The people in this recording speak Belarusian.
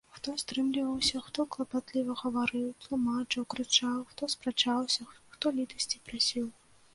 Хто стрымліваўся, хто клапатліва гаварыў, тлумачыў, крычаў, хто спрачаўся, хто літасці прасіў.